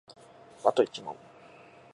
あと一問